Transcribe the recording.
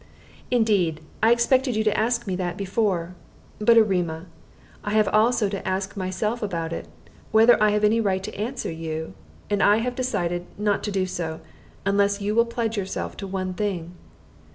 "Indeed, I expected you to ask me that before. But, Erema, I have also had to ask myself about it, whether I have any right to answer you. And I have decided not to do so, unless you will pledge yourself to one thing."